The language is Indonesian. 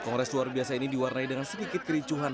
kongres luar biasa ini diwarnai dengan sedikit kericuhan